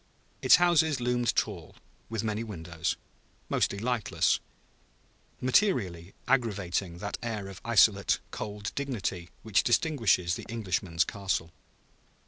Its houses loomed tall, with many windows, mostly lightless materially aggravating that air of isolate, cold dignity which distinguishes the Englishman's castle.